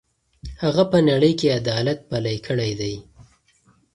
هغه په نړۍ کې عدالت پلی کړی دی.